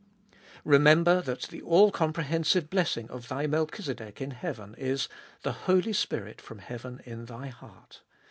2. Remember that the all comprehensiue blessing of thy Melchizedek in heaven is— the Holy Spirit from heaven in thy heart.